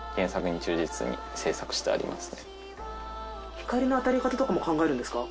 光の当たり方とかも考えるんですか？